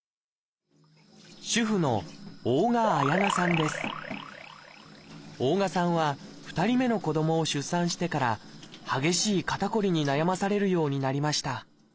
主婦の大我さんは２人目の子どもを出産してから激しい肩こりに悩まされるようになりました